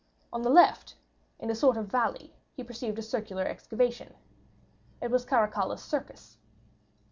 On the left, in a sort of valley, he perceived a circular excavation. It was Caracalla's circus.